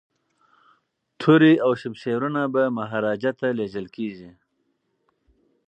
توري او شمشیرونه به مهاراجا ته لیږل کیږي.